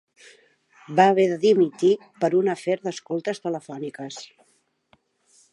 Va haver de dimitir per un afer d'escoltes telefòniques.